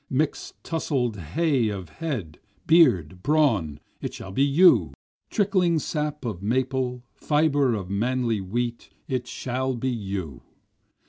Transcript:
Mix'd tussled hay of head, beard, brawn, it shall be you! Trickling sap of maple, fibre of manly wheat, it shall be you!